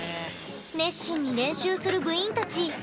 熱心に練習する部員たち。